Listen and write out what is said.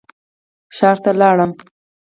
ښار ته لاړم.